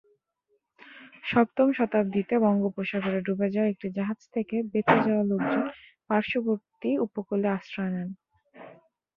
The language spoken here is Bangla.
সপ্তম শতাব্দীতে বঙ্গোপসাগরে ডুবে যাওয়া একটি জাহাজ থেকে বেঁচে যাওয়া লোকজন পার্শ্ববর্তী উপকূলে আশ্রয় নেন।